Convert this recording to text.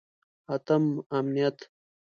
اتم: امنیت.